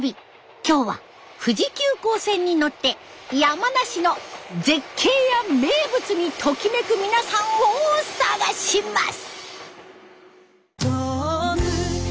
今日は富士急行線に乗って山梨の絶景や名物にときめく皆さんを探します。